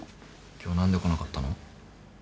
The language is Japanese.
今日何で来なかったの？